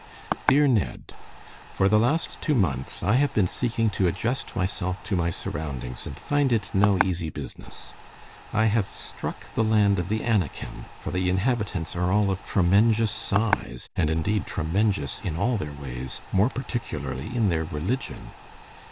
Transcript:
"Dear Ned: "For the last two months I have been seeking to adjust myself to my surroundings, and find it no easy business. I have struck the land of the Anakim, for the inhabitants are all of 'tremenjous' size, and indeed, 'tremenjous' in all their ways, more particularly in their religion.